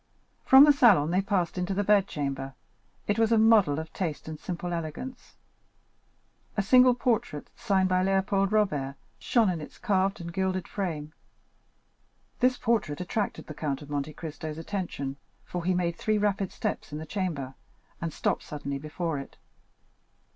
From the salon they passed into the bedchamber; it was a model of taste and simple elegance. A single portrait, signed by Léopold Robert, shone in its carved and gilded frame. This portrait attracted the Count of Monte Cristo's attention, for he made three rapid steps in the chamber, and stopped suddenly before it.